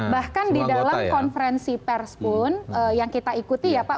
bahkan di dalam konferensi pers pun yang kita ikuti ya pak